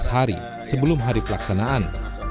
tujuh belas hari sebelum hari pelaksanaan